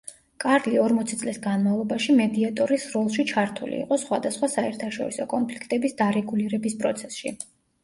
კარლი ორმოცი წლის განმავლობაში მედიატორის როლში ჩართული იყო სხვადასხვა საერთაშორისო კონფლიქტების დარეგულირების პროცესში.